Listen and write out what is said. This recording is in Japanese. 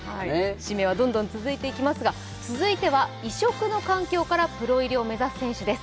指名はどんどん続いていきますが続いては異色の環境からプロ入りを目指す選手です。